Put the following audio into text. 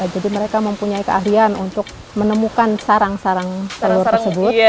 jadi mereka mempunyai keahlian untuk menemukan sarang sarang telur tersebut